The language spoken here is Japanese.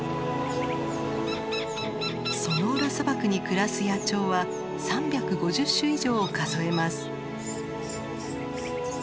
ソノーラ砂漠に暮らす野鳥は３５０種以上を数えます。